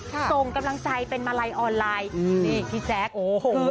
ส่งกำลังใจเป็นมาลัยออนไลน์อืมนี่พี่แจ๊คโอ้โห